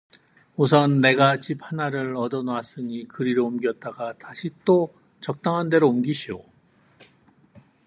우선 내가 집 하나를 얻어 놨으니 그리 옮겼다가 다시 또 적당한 데로 옮기오.